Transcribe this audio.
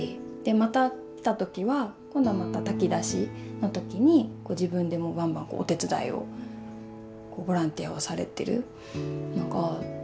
また来た時は今度はまた炊き出しの時に自分でもバンバンお手伝いをボランティアをされてる。